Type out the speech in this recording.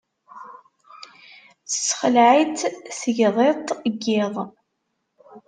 Tesexleε-itt tegḍiḍt n yiḍ.